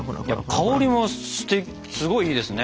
香りもすごいいいですね。